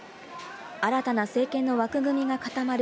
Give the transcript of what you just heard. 新たな政権の枠組みが固まる